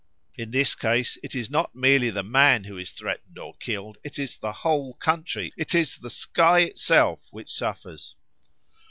_ In this case it is not merely the man who is threatened or killed, it is the whole country, it is the sky itself which suffers.